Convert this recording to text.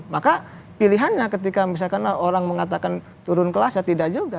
maka pilihannya ketika misalkan orang mengatakan turun kelas ya tidak juga